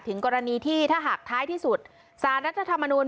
ถึงกรณีที่ถ้าหากท้ายที่สุดสารรัฐธรรมนูล